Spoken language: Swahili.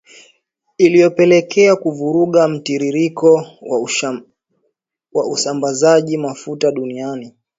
iliyopelekea kuvuruga mtiririko wa usambazaji mafuta duniani